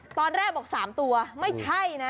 ตอนแรกบอก๓ตัวไม่ใช่นะ